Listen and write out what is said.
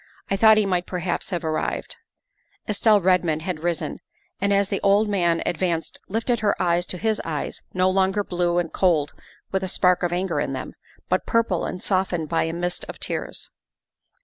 " I thought he might perhaps have arrived." Estelle Redmond had risen, and as the old man ad vanced lifted her eyes to his eyes no longer blue and cold with a spark of anger in them, but purple and softened by a mist of tears.